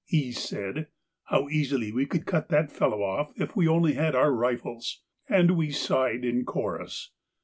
E. said, 'How easily we could cut that fellow off if we only had our rifles,' and we sighed in chorus.